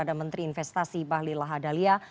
ada menteri investasi bahlilah dhalia